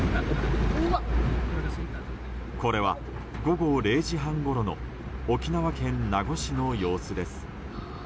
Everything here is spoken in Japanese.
これは、午後０時半ごろの沖縄県名護市の様子です。